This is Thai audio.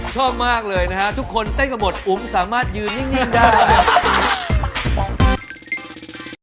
ชอบมากเลยนะฮะทุกคนเต้นกันหมดอุ๋มสามารถยืนนิ่งได้